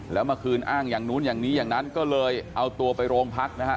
แล้วเมื่อคืนอ้างอย่างนู้นอย่างนี้อย่างนั้นก็เลยเอาตัวไปโรงพักนะฮะ